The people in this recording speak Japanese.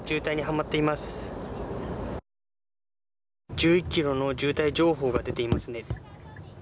１１キロの渋滞情報が出ていますね。